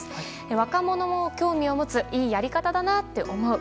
若者も興味を持ついいやり方だなあって思う。